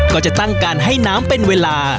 ก็จะตั้งการให้น้ำเป็นเวลา